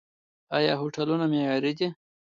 آیا هوټلونه معیاري دي؟